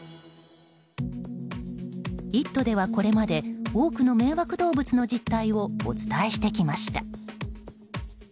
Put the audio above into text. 「イット！」ではこれまで多くの迷惑動物の実態をお伝えしてきました。